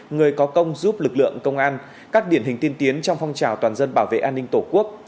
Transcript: người có công giúp lực lượng công an các điển hình tiên tiến trong phong trào toàn dân bảo vệ an ninh tổ quốc